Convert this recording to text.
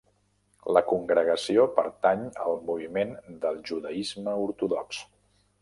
La congregació pertany al moviment del judaisme ortodox.